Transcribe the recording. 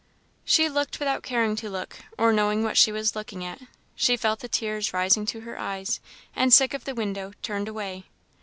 She looked without caring to look, or knowing what she was looking at; she felt the tears rising to her eyes, and, sick of the window, turned away.